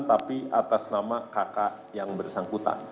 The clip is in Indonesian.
tapi atas nama kakak yang bersangkutan